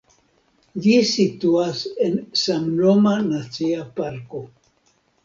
Ĝi situas en samnoma nacia parko.